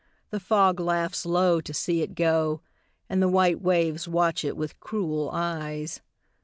The fog laughs low to see it go, And the white waves watch it with cruel eyes.